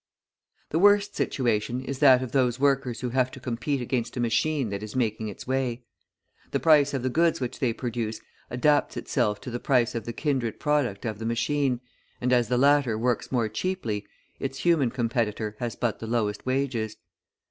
The worst situation is that of those workers who have to compete against a machine that is making its way. The price of the goods which they produce adapts itself to the price of the kindred product of the machine, and as the latter works more cheaply, its human competitor has but the lowest wages.